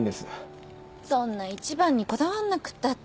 そんな一番にこだわんなくったって。